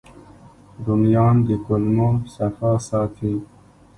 رومیان د کولمو صفا ساتي